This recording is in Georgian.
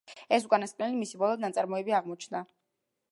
ეს უკანასკნელი მისი ბოლო ნაწარმოები აღმოჩნდა.